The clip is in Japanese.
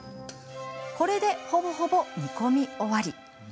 これで、ほぼほぼ煮込み終わり。